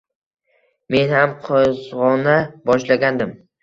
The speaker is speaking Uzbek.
Men ham qizg’ona boshlagandim.